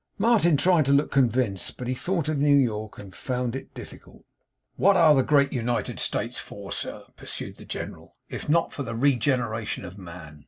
Martin tried to look convinced, but he thought of New York, and found it difficult. 'What are the Great United States for, sir,' pursued the General 'if not for the regeneration of man?